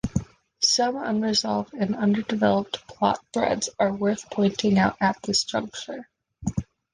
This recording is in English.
Some unresolved and underdeveloped plot threads are worth pointing out at this juncture.